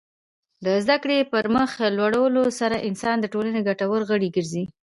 د زدهکړې پرمخ وړلو سره انسان د ټولنې ګټور غړی ګرځي.